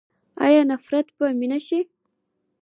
آیا نفرت به مینه شي؟